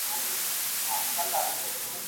هغه په خپل پاسته کوچ کې استراحت کاوه.